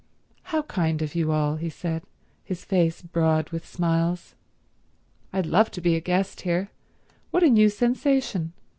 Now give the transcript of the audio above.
"How kind of you all," he said, his face broad with smiles. "I'd love to be a guest here. What a new sensation.